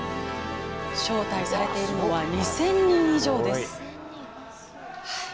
招待されているのは２０００人以上です。